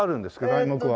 題目は？